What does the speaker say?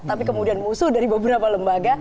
tapi kemudian musuh dari beberapa lembaga